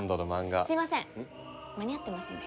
すいません間に合ってますんで。